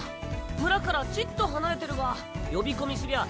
村からちっと離れてるが呼び込みすりゃあ